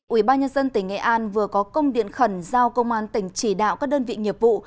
ubnd tỉnh nghệ an vừa có công điện khẩn giao công an tỉnh chỉ đạo các đơn vị nghiệp vụ